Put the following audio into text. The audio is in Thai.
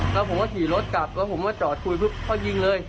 แล้วผมก็ขี่รถกลับแล้วผมมาจอดคุยปุ๊บเขายิงเลย